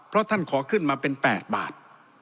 เพราะท่านขอขึ้นมาเป็น๘บาท